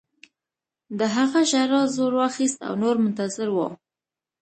د هغه ژړا زور واخیست او نور منتظر وو